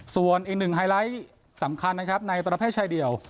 ส่วนอีกหนึ่งไฮไลท์สำคัญนะครับในประเภทชายเดี่ยว